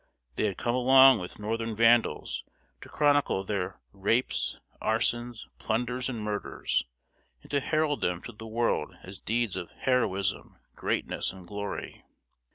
They had come along with Northern vandals, to chronicle their rapes, arsons, plunders, and murders, and to herald them to the world as deeds of heroism, greatness, and glory.